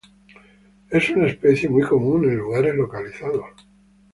Es una especie muy común en lugares localizados.